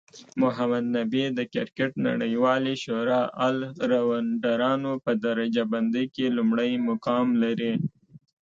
محمد نبي د کرکټ نړیوالی شورا الرونډرانو په درجه بندۍ کې لومړی مقام لري